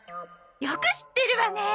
よく知ってるわね。